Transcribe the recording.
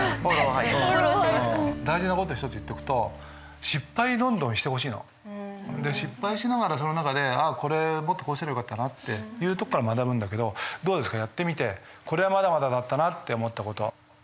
大事な事一つ言っておくと失敗どんどんしてほしいの。で失敗しながらその中で「あっこれもっとこうすればよかったな」っていうところから学ぶんだけどどうですかやってみてこれはまだまだだったなって思った事。